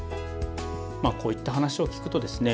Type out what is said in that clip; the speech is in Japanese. こういった話を聞くとですね